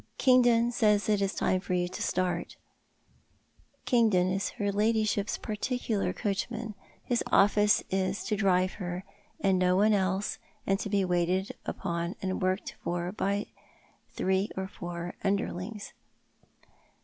Kingdon says it is time for you to start." Kingdon is her ladyship's particular coachman. His otfice is to drive her, and no one else, and to be waited upon and worked for by three or four underlings.